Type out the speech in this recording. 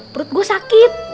perut gue sakit